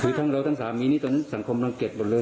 คือทั้งเราทั้งสามีนี่ตอนนี้สังคมรังเกียจหมดเลย